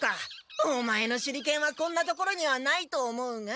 オマエの手裏剣はこんな所にはないと思うが。